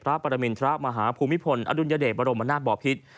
พระปรมิลพระมหาภูมิพลอดุลยเดชบรมณาบ่อภิษฐ์